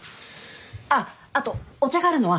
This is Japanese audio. あっあとお茶があるのは。